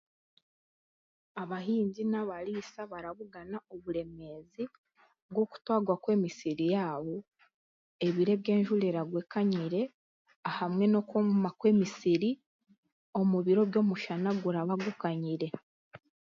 Abahingi n'abariisa barabugana oburemeezi bw'okutwagwa kw'emisiri yaabo ebiro eby'enjura eragwa ekanyire hamwe n'okwoma kw'emisiri omu biro by'omushana guraba gukanyire